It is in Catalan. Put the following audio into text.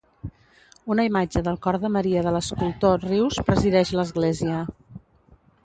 Una imatge del Cor de Maria de l'escultor Rius presideix l'església.